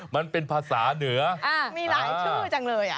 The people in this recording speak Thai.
มันเป็นภาษาเหนือมีหลายชื่อจังเลย